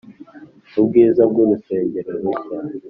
Ubwiza bw urusengero rushya